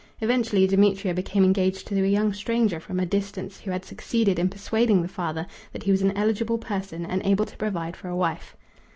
Eventually Demetria became engaged to a young stranger from a distance who had succeeded in persuading the father that he was an eligible person and able to provide for a wife.